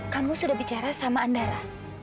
kamu sudah bicara sama andara